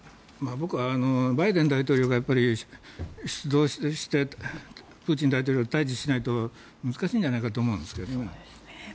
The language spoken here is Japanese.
僕はバイデン大統領がやっぱり出動してプーチン大統領を退治しないと難しいんじゃないかと思うんですけどね。